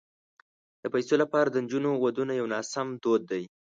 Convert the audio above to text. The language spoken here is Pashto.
د پيسو لپاره د نجونو ودونه یو ناسم دود دی.